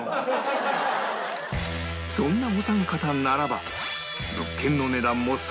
そんなお三方ならば